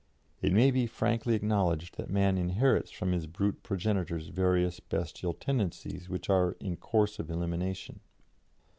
It may be frankly acknowledged that man inherits from his brute progenitors various bestial tendencies which are in course of elimination.